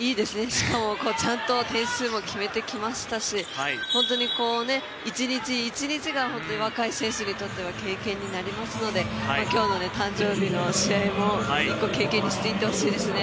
しかもちゃんと点数も決めてきましたし本当に一日一日が若い選手にとっては経験になりますので今日の誕生日の試合も１個、経験にしていってほしいですね。